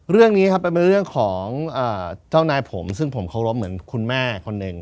เรื่องนี้ครับเป็นเรื่องของเจ้านายผมซึ่งผมเคารพเหมือนคุณแม่คนหนึ่ง